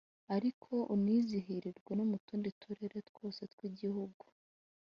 ariko unizihirizwe no mu tundi Turere twose tw’Igihugu